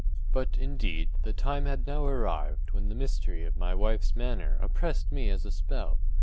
But, indeed, the time had now arrived when the mystery of my wife’s manner oppressed me as a spell.